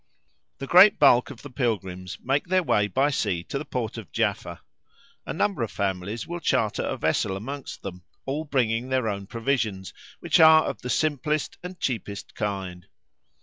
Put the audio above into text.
The great bulk of the pilgrims make their way by sea to the port of Jaffa. A number of families will charter a vessel amongst them, all bringing their own provisions, which are of the simplest and cheapest kind.